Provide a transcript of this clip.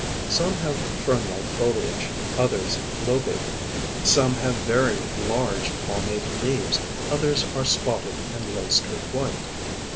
Some have fern like foliage, others lobated. Some have large palmate leaves, others are spotted and laced with white.